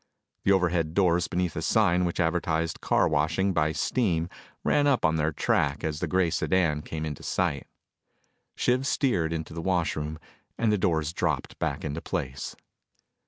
The overhead doors beneath a sign which advertised car washing by steam ran up on their track as the gray sedan came into sight. Shiv steered into the wash room, and the doors dropped back into place.